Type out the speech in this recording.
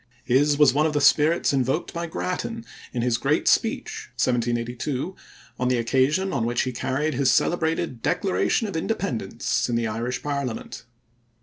His was one of the spirits invoked by Grattan in his great speech (1782) on the occasion on which he carried his celebrated Declaration of Independence in the Irish parliament.